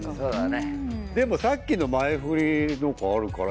でもさっきの前振りとかあるから。